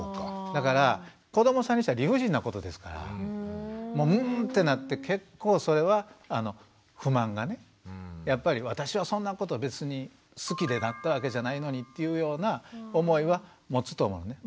だから子どもさんにしたら理不尽なことですからもうんってなって結構それは不満がねやっぱり私はそんなこと別に好きでなったわけじゃないのにというような思いは持つと思うのね。